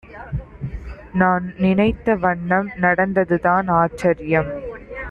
நான்நினைத்த வண்ணம் நடந்ததுதான் ஆச்சரியம்.